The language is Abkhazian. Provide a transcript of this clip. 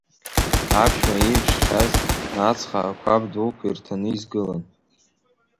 Аԥшәма ииԥшхьаз ацха ақәаб дуқәа ирҭаны изгылан.